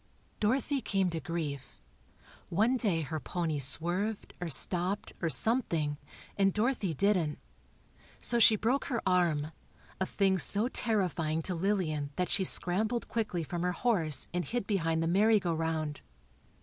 Dorothy came to grief. One day her pony swerved, or stopped, or something, and Dorothy didn't. So she broke her arm, a thing so terrifying to Lillian that she scrambled quickly from her horse and hid behind the merry go round.